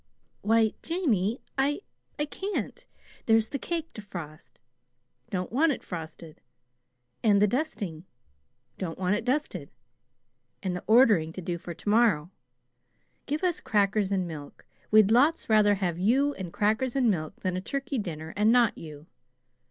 "Why, Jamie, I I can't. There's the cake to frost " "Don't want it frosted." "And the dusting " "Don't want it dusted." "And the ordering to do for to morrow." "Give us crackers and milk. We'd lots rather have you and crackers and milk than a turkey dinner and not you."